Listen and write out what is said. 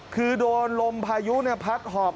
คือโดนลมพายุพัดหอบ